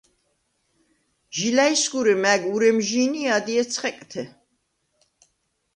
ჟი ლა̈ჲსგურე მა̈გ ურემჟი̄ნ ი ადჲე ცხეკთე.